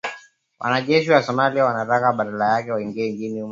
wanajeshi wa Somalia na kuwataka badala yake waingie nchini humo mara kwa mara